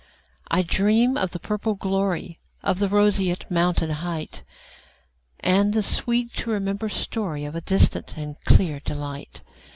I dream of the purple gloryOf the roseate mountain heightAnd the sweet to remember storyOf a distant and clear delight.